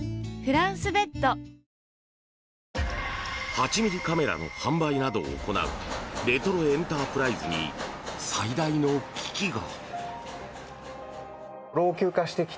８ｍｍカメラの販売などを行うレトロエンタープライズに最大の危機が。